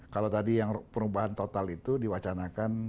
kalau tadi yang perubahan total itu diwacanakan